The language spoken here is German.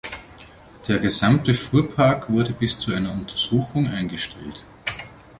Der gesamte Fuhrpark wurde bis zu einer Untersuchung eingestellt.